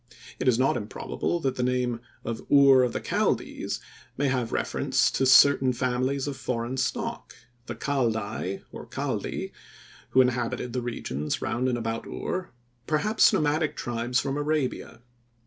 It is not improbable that the name of "Ur of the Chaldees" may have reference to certain families of foreign stock, the "Kaldai" or "Kaldi" who inhabited the regions round and about Ur, perhaps nomadic tribes from Arabia.